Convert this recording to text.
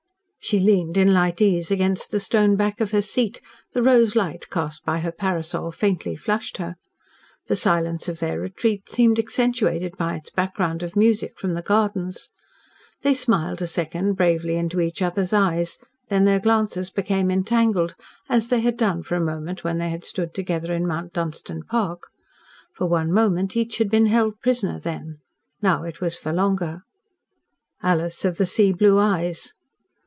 She leaned in light ease against the stone back of her seat, the rose light cast by her parasol faintly flushed her. The silence of their retreat seemed accentuated by its background of music from the gardens. They smiled a second bravely into each other's eyes, then their glances became entangled, as they had done for a moment when they had stood together in Mount Dunstan park. For one moment each had been held prisoner then now it was for longer. "Alys of the Sea Blue Eyes."